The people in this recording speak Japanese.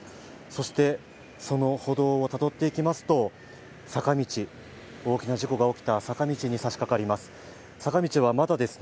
そしてその歩道をたどっていきますと大きな事故が起きた坂道に差しかかります。